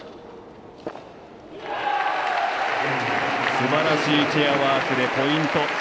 すばらしいチェアワークでポイント。